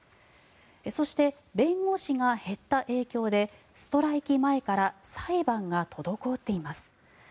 そして、弁護士が減った影響でストライキ前から裁判が滞っています。